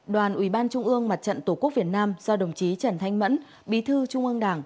đoàn ủy ban trung ương mặt trận tổ quốc việt nam do đồng chí trần thanh mẫn bí thư trung ương đảng